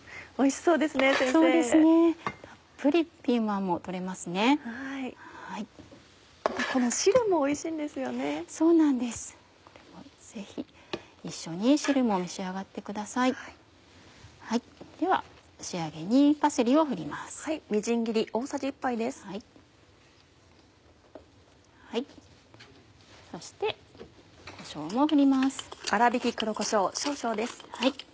そしてこしょうも振ります。